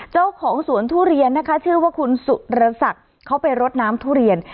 เจ้าของสวนทุเรียนนะคะชื่อว่าคุณสุรศักดิ์เขาไปรดน้ำทุเรียน